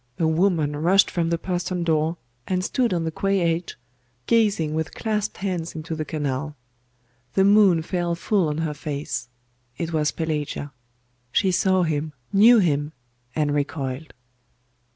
A woman rushed from the postern door, and stood on the quay edge, gazing with clasped hands into the canal. The moon fell full on her face. It was Pelagia. She saw him, knew him, and recoiled.